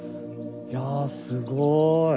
いやすごい。